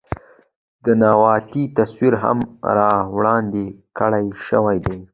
د ننواتې تصور هم را وړاندې کړے شوے دے.